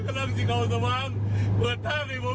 กระดังสิเขาสว่างเปิดตากให้ผมแน่พี่น้อง